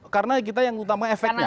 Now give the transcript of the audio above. karena kita yang utama efeknya